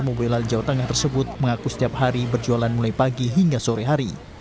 mobilela jawa tengah tersebut mengaku setiap hari berjualan mulai pagi hingga sore hari